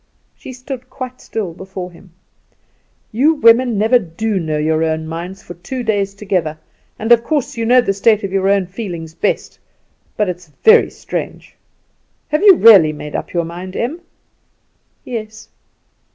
She stood quite still before him. "You women never do know your own minds for two days together; and of course you know the state of your own feelings best; but it's very strange. Have you really made up your mind, Em?" "Yes."